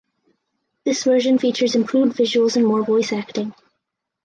This version features improved visuals and more voice acting.